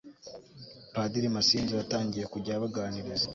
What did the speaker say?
padiri masinzo yatangiye kujya abaganiriza